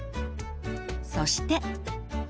そして。